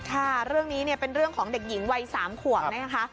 ค่ะเรื่องนี้เนี่ยเป็นเรื่องของเด็กหญิงวัย๓ขวบนะคะ